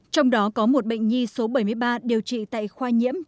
trong đó có một bệnh nhi số bảy mươi ba điều trị tại khoa nhiễm